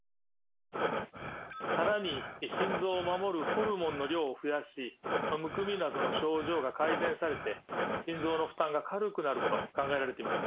更に心臓を守るホルモンの量を増やしむくみなどの症状が改善されて心臓の負担が軽くなると考えられています。